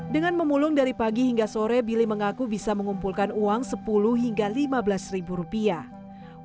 dengan memulung dari pagi hingga sore billy mengaku bisa mengumpulkan uang sepuluh hingga lima belas ribu rupiah